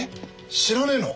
知らねえの？